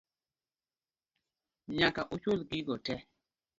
Nyaka uchul gigo tee